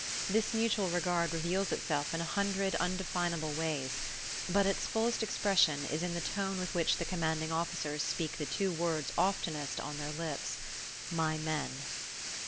This mutual regard reveals itself in a hundred undefinable ways; but its fullest expression is in the tone with which the commanding officers speak the two words oftenest on their lips: "My men."